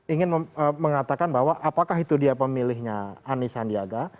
ingin mengatakan bahwa apakah itu dia pemilihnya anies sandiaga